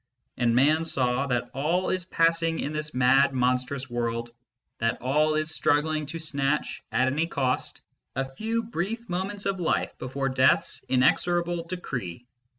And Man saw that all is passing in this mad, monstrous world, that all is struggling to snatch, at any cost, a few brief moments of life before Death s inexorable decree.